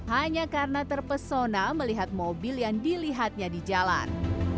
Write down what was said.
hanya karena terpesona melihat mobil yang dilihatnya di jalan